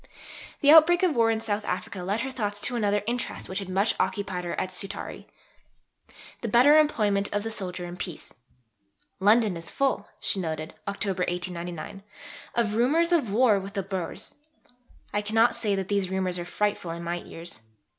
The outbreak of war in South Africa led her thoughts to another interest which had much occupied her at Scutari the better employment of the soldier in peace: "London is full," she noted (October 1899), "of rumours of war with the Boers. I cannot say these rumours are frightful in my ears.